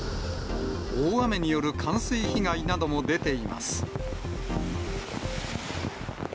大雨による冠水被害なども出ています。